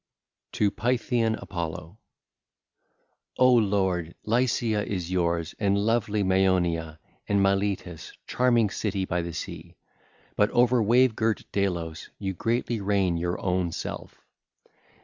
TO PYTHIAN APOLLO— (ll. 179 181) O Lord, Lycia is yours and lovely Maeonia and Miletus, charming city by the sea, but over wave girt Delos you greatly reign your own self.